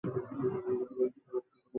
আর এ নামেই তিনি প্রসিদ্ধ লাভ করেছেন।